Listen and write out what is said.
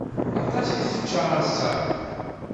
Aṭas i tečča ass-a.